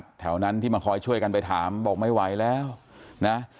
แถวนั้นที่มาคอยช่วยกันไปถามบอกไม่ไหวแล้วนะ